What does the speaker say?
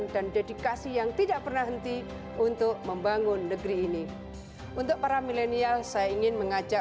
dengan tantangan yang ada